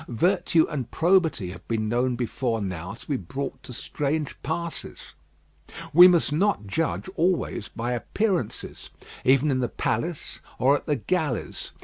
Virtue and probity have been known before now to be brought to strange passes. We must not judge always by appearances, even in the palace or at the galleys.